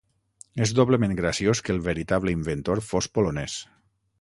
És doblement graciós que el veritable inventor fos polonès.